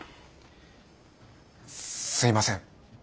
すいません。